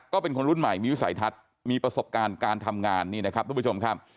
ก็เป็นคนรุ่นใหม่มีวิสัยทัศน์มีประสบการณ์การทำงานนี่นะครับทุกผู้ชมครับ